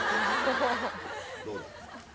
どうだ。